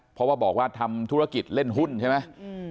เพราะว่าบอกว่าทำธุรกิจเล่นหุ้นใช่ไหม